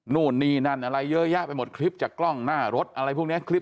นู่นนี่นั่นอะไรเยอะแยะไปหมดคลิปจากกล้องหน้ารถอะไรพวกนี้คลิป